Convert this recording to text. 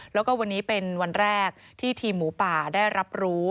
แล้วก็วันนี้เป็นวันแรกที่ทีมหมูป่าได้รับรู้